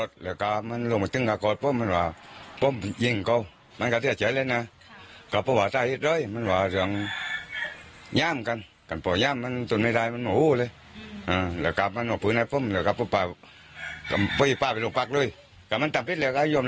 แต่มันก็มาช่วงโป๊มเลยว่าไปทรงฟักกันไปหมดตัวยังเดี๋ยว